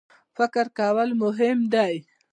فکر کول مهم دی.